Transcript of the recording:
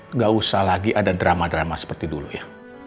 tidak usah lagi ada drama drama seperti dulu ya